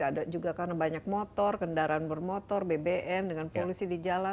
ada juga karena banyak motor kendaraan bermotor bbm dengan polusi di jalan